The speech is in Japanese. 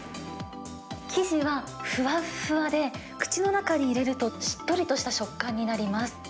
生地はふわふわで、口の中に入れると、しっとりとした食感になります。